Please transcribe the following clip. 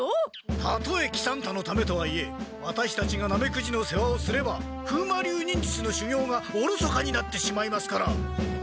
たとえ喜三太のためとはいえワタシたちがナメクジの世話をすれば風魔流忍術のしゅぎょうがおろそかになってしまいますから！